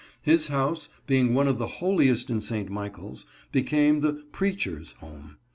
His house, being one of the holiest in St. Michaels, became the " preachers' home."